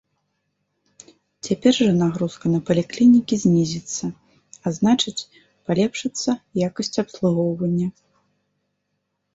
Цяпер жа нагрузка на паліклінікі знізіцца, а значыць, палепшыцца якасць абслугоўвання.